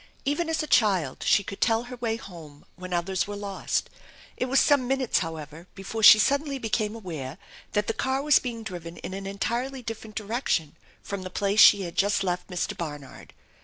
Even as a child she could tell her way home when others were lost. It was some minutes, however, before she suddenly became aware tha 4 . the Car was being driven in an entirely different direction from the place she had just left Mr. Barnard.